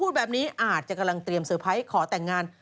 พูดแบบนี้อาจจะกำลังเตรียมเซอร์ไพรส์ขอแต่งงาน